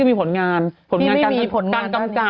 สวัสดีค่ะข้าวใส่ไข่สดใหม่เยอะสวัสดีค่ะ